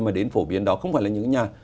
mà đến phổ biến đó không phải là những nhà